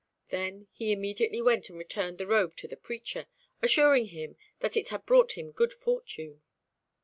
Then he immediately went and returned the robe to the preacher, assuring him that it had brought him good fortune.